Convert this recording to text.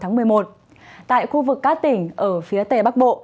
một mươi một tháng một mươi một tại khu vực các tỉnh ở phía tề bắc bộ